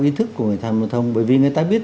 ý thức của người tham gia thông bởi vì người ta biết